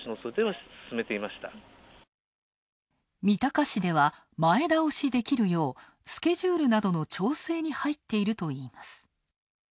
三鷹市では、前倒しできるようスケジュールなどの調整に入っているといいます。